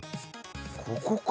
ここか。